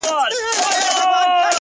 • د ميني شر نه دى چي څـوك يـې پــټ كړي؛